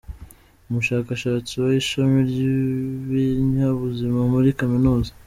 Umushakashatsi mu ishami ry’ibinyabuzima muri Kaminuza.